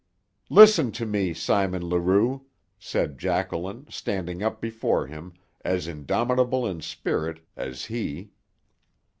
"Listen to me, Simon Leroux," said Jacqueline, standing up before him, as indomitable in spirit as he.